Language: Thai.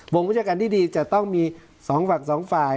วิชาการที่ดีจะต้องมี๒ฝั่ง๒ฝ่าย